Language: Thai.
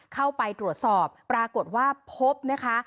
เข้าไปตรวจสอบปรากฏว่าพบนะคะ